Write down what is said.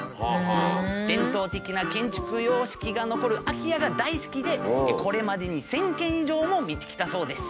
伝統的な建築様式が残る空き家が大好きでこれまでに１，０００軒以上も見てきたそうです。